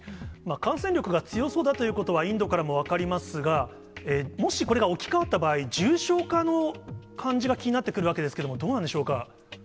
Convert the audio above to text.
感染力が強そうだということはインドからも分かりますが、もしこれが置き換わった場合、重症化の感じが気になってくるわけですけれども、どうなんでしょ